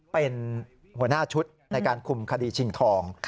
เป็นหัวหน้าชุดในการคุมคดีชิงทอง